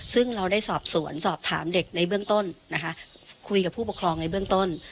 ซึ่งเราได้สอบสวนสอบถามเด็กในเบื้องต้นนะคะคุยกับผู้ปกครองในเบื้องต้น